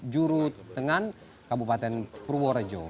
jurut tengah kabupaten purworejo